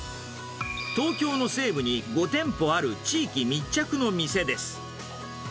東京の西部に５店舗ある地域密着の店です。